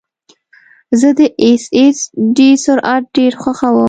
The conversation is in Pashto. زه د ایس ایس ډي سرعت ډېر خوښوم.